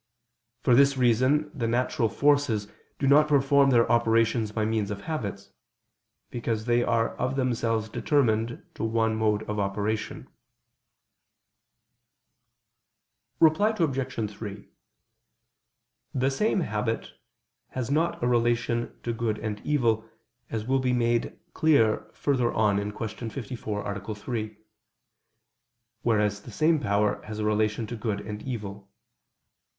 For this reason the natural forces do not perform their operations by means of habits: because they are of themselves determined to one mode of operation. Reply Obj. 3: The same habit has not a relation to good and evil, as will be made clear further on (Q. 54, A. 3): whereas the same power has a relation to good and evil.